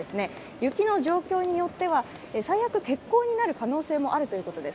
雪の状況によっては最悪欠航になる可能性もあるということです。